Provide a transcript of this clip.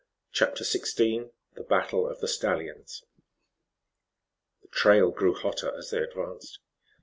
CHAPTER XVI THE BATTLE OF THE STALLIONS The trail grew hotter as they advanced.